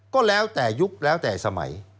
ก็แล้วแต่ยุคแล้วแต่สมัย